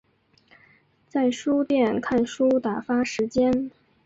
在书店看书打发时间